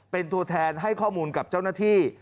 เป็นตัวแทนให้ข้อมูลกับเจ้าหน้าที่